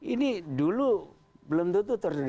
ini dulu belum tentu terjadi